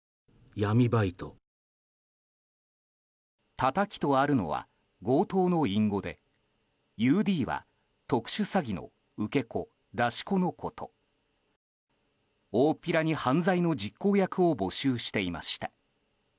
たたきとあるのは強盗の隠語でＵＤは特殊詐欺の受け子、出し子のこと大っぴらに犯罪の実行役を募集していました。